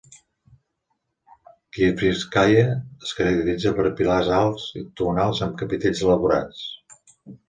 Kiyevskaya es caracteritza per pilars alts i octagonals amb capitells elaborats.